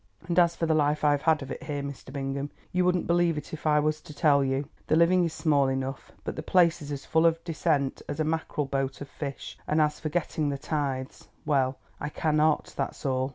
"And as for the life I've had of it here, Mr. Bingham, you wouldn't believe it if I was to tell you. The living is small enough, but the place is as full of dissent as a mackerel boat of fish, and as for getting the tithes—well, I cannot, that's all.